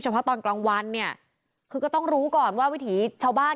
เพราะตอนกลางวันเนี่ยคือก็ต้องรู้ก่อนว่าวิถีชาวบ้าน